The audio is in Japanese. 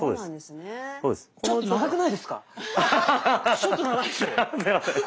ちょっと長いでしょ。